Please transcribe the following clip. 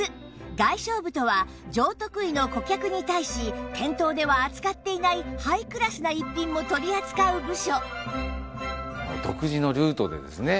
外商部とは上得意の顧客に対し店頭では扱っていないハイクラスな逸品も取り扱う部署